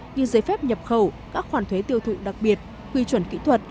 như giấy phép nhập khẩu các khoản thuế tiêu thụ đặc biệt quy chuẩn kỹ thuật